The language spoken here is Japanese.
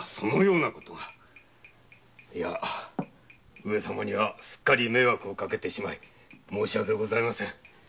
上様にはすっかり迷惑をかけてしまい申し訳ございません。